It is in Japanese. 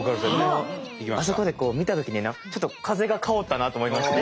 あそこで見たときにちょっと風が薫ったなと思いまして。